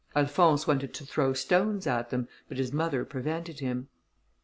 Alphonse wanted to throw stones at them, but his mother prevented him.